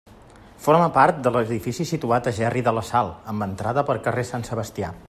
Forma part de l'edifici situat a Gerri de la Sal, amb entrada per carrer Sant Sebastià.